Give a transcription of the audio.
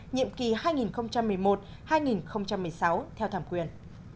nhiệm kỳ hai nghìn một mươi một hai nghìn một mươi sáu theo thẩm quyền